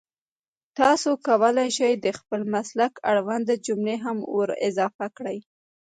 تاسو کولای شئ د خپل مسلک اړونده جملې هم ور اضافه کړئ